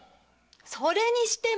それにしても！